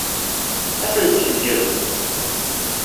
Ad tent-tseggem?